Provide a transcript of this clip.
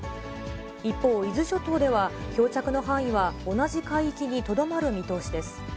一方、伊豆諸島では、漂着の範囲は同じ海域にとどまる見通しです。